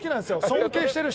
尊敬してるし。